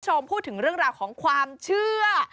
คุณผู้ชมพูดถึงเรื่องราวของความเชื่อ